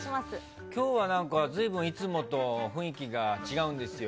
今日は、随分いつもと雰囲気が違うんですよ。